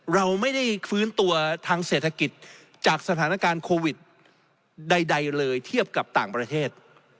เราไม่ได้ฟื้นตัวทางเศรษฐกิจจากสถานการณ์โควิดใดเลยเทียบกับต่างประเทศ